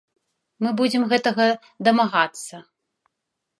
Мы будзем гэтага дамагацца.